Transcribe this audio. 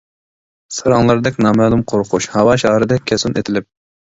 ساراڭلاردەك نامەلۇم قورقۇش ھاۋا شارىدەك كەتسۇن ئېتىلىپ.